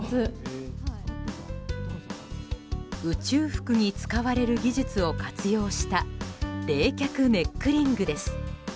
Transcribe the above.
宇宙服に使われる技術を活用した冷却ネックリングです。